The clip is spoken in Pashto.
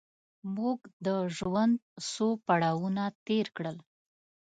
موږ د ژوند څو پړاوونه تېر کړل.